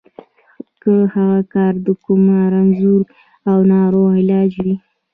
که هغه کار د کوم رنځور او ناروغ علاج وي.